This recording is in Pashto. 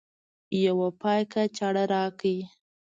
یوه پاکي چاړه راکړئ